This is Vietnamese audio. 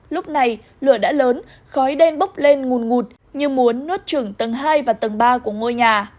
lúc này lửa đã lớn khói đen bốc lên ngùn ngụt như muốn nuốt chửng tầng hai và tầng ba của ngôi nhà